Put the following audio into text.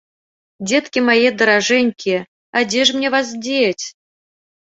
Дзеткі мае даражэнькія, а дзе ж мне вас дзець?